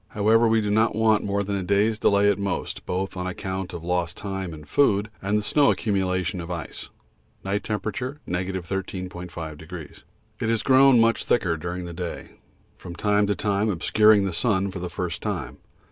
However, we do not want more than a day's delay at most, both on account of lost time and food and the snow accumulation of ice. (Night T. 13.5°.) It has grown much thicker during the day, from time to time obscuring the sun for the first time.